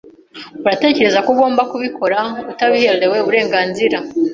Uratekereza ko ugomba kubikora utabiherewe uburenganzira?